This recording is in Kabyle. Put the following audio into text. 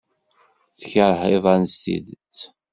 Tekṛeh iḍan s tidet.